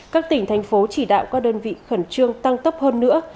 các tỉnh thành phố chỉ đạo các đơn vị khẩn trương tăng tốc hơn nữa